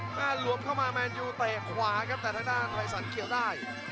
หลวมเข้ามาแมนยูเตะขวาครับแต่ทางด้านภัยสันเขียวได้